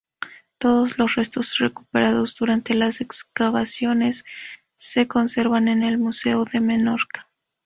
Todos los restos recuperados durante las excavaciones se conservan en el Museo de Menorca.